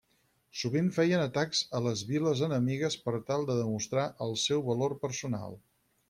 Sovint feien atacs a les viles enemigues per tal de demostrar el seu valor personal.